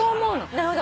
なるほど。